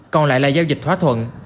còn lại là giao dịch hóa thuận